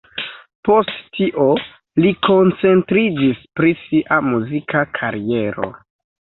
Post tio li koncentriĝis pri sia muzika kariero.